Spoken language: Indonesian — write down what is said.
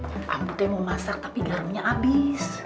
abah amputnya mau masak tapi garamnya abis